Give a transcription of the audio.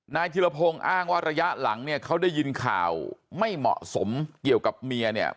ธิรพงศ์อ้างว่าระยะหลังเนี่ยเขาได้ยินข่าวไม่เหมาะสมเกี่ยวกับเมียเนี่ย